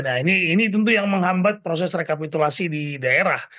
nah ini tentu yang menghambat proses rekapitulasi di daerah